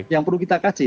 yang perlu kita kaji